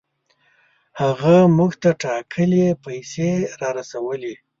هغه موږ ته ټاکلې پیسې را رسولې.